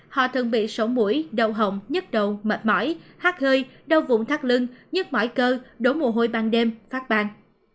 họ thường bị sổ mũi đầu hồng nhức đầu mệt mỏi hát hơi đau vụn thắt lưng nhức mỏi cơ đổ mùa hôi ban đêm phát bang